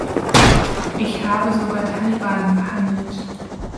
Ich habe sogar Taliban behandelt.